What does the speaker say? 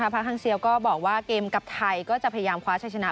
ฮังเซียก็บอกว่าเกมกับไทยก็จะพยายามคว้าชัยชนะ